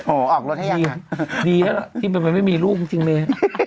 ออกโรคใช่ยังคะดีแหละที่มันไม่มีลูกจริงเลย